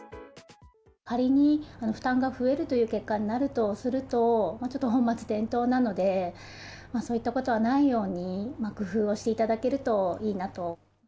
仮に負担が増えるという結果になるとすると、ちょっと本末転倒なので、そういったことがないように工夫をしていただけるといいなと。